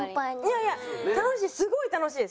いやいやすごい楽しいです。